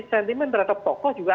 sentimen terhadap tokoh juga